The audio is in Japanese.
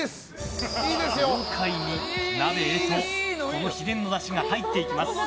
豪快に鍋へと秘伝のだしが入っていきます。